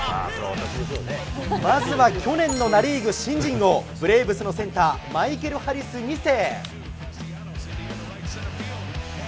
まずは去年のナ・リーグ新人王、ブレーブスのセンター、マイケル・ハリス２世。